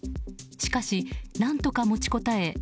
しかし、何とか持ちこたえ